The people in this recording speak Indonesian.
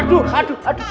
aduh aduh aduh aduh